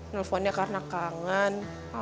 nelfonnya karena kangen